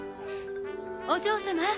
お嬢様。